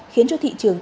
khiến cho thị trường